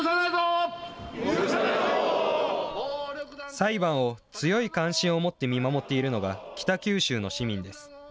裁判を強い関心を持って見守っているのが、北九州の市民です。